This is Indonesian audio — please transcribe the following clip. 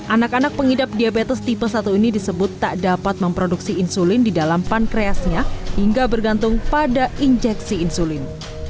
anak anak pengidap diabetes tipe satu ini disebut tak dapat memproduksi insulin di dalam pankreasnya hingga bergantung pada injeksi insulin